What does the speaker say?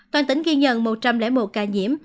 toàn tỉnh ghi nhận một trăm linh một ca nhiễm